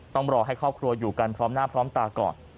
ต้องรอให้ครอบครัวอยู่กันพร้อมหน้าพร้อมตาก่อน